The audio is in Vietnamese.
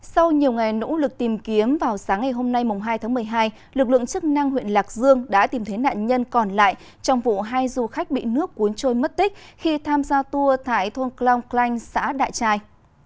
sau nhiều ngày nỗ lực tìm kiếm vào sáng ngày hôm nay hai tháng một mươi hai lực lượng chức năng huyện lạc dương đã tìm thấy nạn nhân còn lại trong vụ hai du khách bị nước cuốn trôi mất tích khi tham gia tour tại thôn cloung klanh xã đại trai